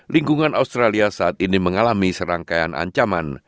lingkungan australia saat ini mengalami serangkaian ancaman